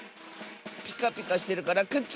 ピカピカしてるからくっつく！